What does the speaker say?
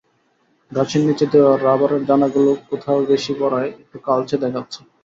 ঘাসের নিচে দেওয়া রাবারের দানাগুলো কোথাও বেশি পড়ায় একটু কালচে দেখাচ্ছে।